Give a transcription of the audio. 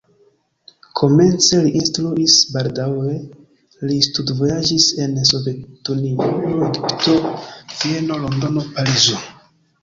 Komence li instruis, baldaŭe li studvojaĝis en Sovetunio, Egipto, Vieno, Londono, Parizo.